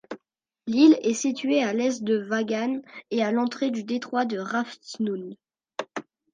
L'île est située à l'est de Vågan et à l'entrée du détroit de Raftsund.